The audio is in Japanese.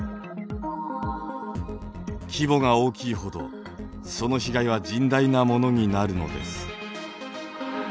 規模が大きいほどその被害は甚大なものになるのです。